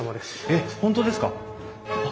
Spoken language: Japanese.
えっ本当ですか！？